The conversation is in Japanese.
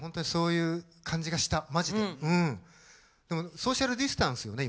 ソーシャルディスタンスよね